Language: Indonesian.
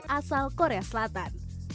asal korea selatan